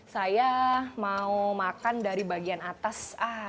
saya mau makan dari bagian atas